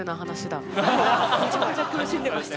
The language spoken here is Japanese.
めちゃくちゃ苦しんでました。